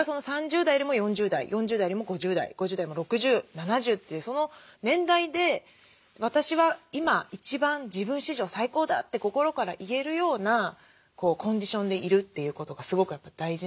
３０代よりも４０代４０代よりも５０代５０代より６０７０というその年代で私は今一番自分史上最高だって心から言えるようなコンディションでいるということがすごくやっぱり大事なんですよ。